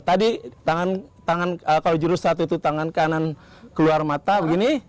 tadi kalau jurus satu itu tangan kanan keluar mata begini